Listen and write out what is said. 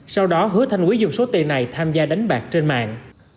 sau đó hứa thanh quý dùng số tiền này tham gia đánh bạc trên mạng